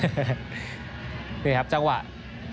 ส่วนที่สุดท้ายส่วนที่สุดท้าย